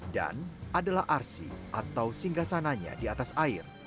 dan adalah arsi atau singgah sananya di atas air